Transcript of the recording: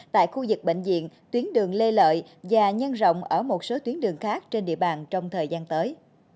tại khu vực bệnh viện tuyến đường lê lợi và nhân rộng ở một số tuyến đường khác trên địa bàn trong thời gian tới